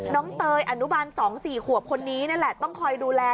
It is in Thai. เตยอนุบัน๒๔ขวบคนนี้นั่นแหละต้องคอยดูแล